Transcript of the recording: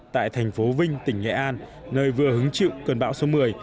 tại thành phố vinh tỉnh nghệ an nơi vừa hứng chịu cơn bão số một mươi